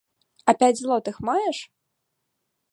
А пяць злотых маеш?